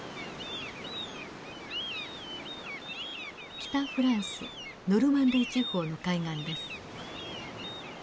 北フランス・ノルマンディー地方の海岸です。